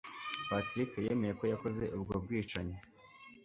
patrick yemeye ko yakoze ubwo bwicanyi